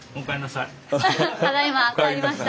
ただいま帰りました。